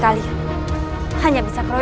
aku akan mencari kebaikanmu